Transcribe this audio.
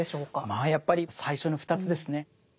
まあやっぱり最初の２つですね。